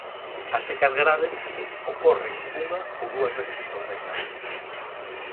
As secas graves ocorren unha ou dúas veces por década.